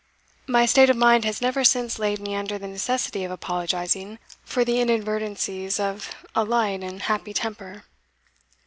my state of mind has never since laid me under the necessity of apologizing for the inadvertencies of a light and happy temper."